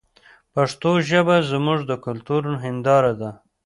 پښتو ژبه زموږ د کلتور هنداره ده.